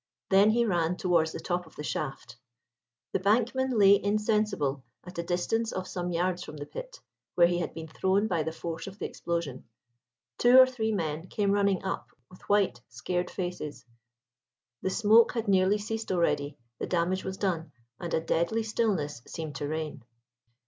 Then he ran towards the top of the shaft. The bankman lay insensible at a distance of some yards from the pit, where he had been thrown by the force of the explosion. Two or three men came running up with white scared faces. The smoke had nearly ceased already; the damage was done, and a deadly stillness seemed to reign.